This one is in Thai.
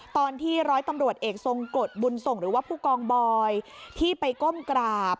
ตอนที่ร้อยตำรวจเอกทรงกฎบุญส่งหรือว่าผู้กองบอยที่ไปก้มกราบ